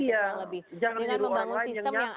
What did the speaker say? dengan membangun sistem yang ada gitu ya selama ini